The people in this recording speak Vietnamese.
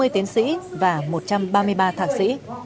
hai mươi tiến sĩ và một trăm ba mươi ba thạc sĩ